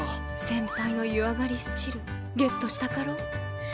先輩の湯上がりスチルゲットしたかろ？